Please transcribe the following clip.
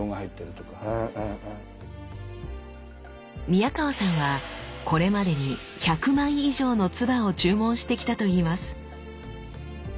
宮川さんはこれまでに１００枚以上の鐔を注文してきたといいます。